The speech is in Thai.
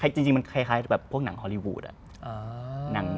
จริงมันคล้ายแบบพวกหนังฮอลลีวูดอะ